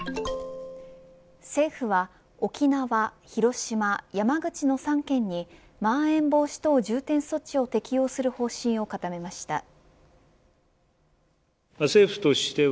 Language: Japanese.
政府は沖縄、広島、山口の３県にまん延防止等重点措置を適用する方針を固めました。